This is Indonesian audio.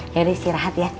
heri istirahat ya